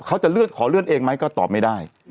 เขาจะเลื่อนขอเลื่อนเองไหมก็ตอบไม่ได้